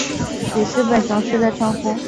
里斯本雄狮的称呼。